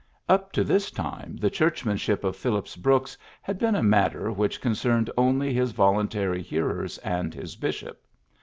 Up to this time the churchmanship of Phillips Brooks had been a matter which concerned only his voluntary hearers and his bishop.